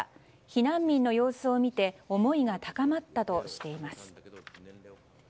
避難民の様子を見て思いが高まったとしています。